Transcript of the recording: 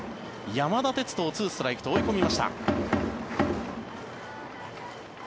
山田哲人を２ストライクと追い込みました。